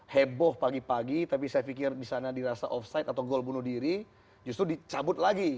heboh pagi pagi tapi saya pikir di sana dirasa offside atau gol bunuh diri justru dicabut lagi